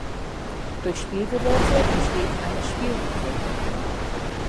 Durch Spielgeräte entsteht eine „Spielwiese“.